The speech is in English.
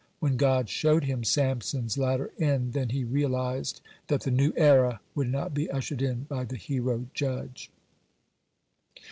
When God showed him Samson's latter end, then he realized that the new era would not be ushered in by the hero judge.